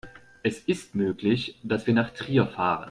Es ist möglich, dass wir nach Trier fahren